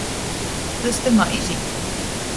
Tys tymā izīt!